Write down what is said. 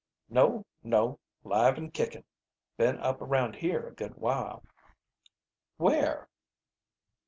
"No, no. 'Live and kickin'. Been up around here a good while." "Where?"